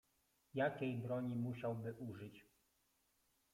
"Jakiej broni musiałby użyć?"